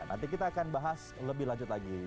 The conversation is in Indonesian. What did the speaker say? nanti kita akan bahas lebih lanjut lagi